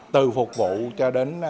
từ phục vụ cho đến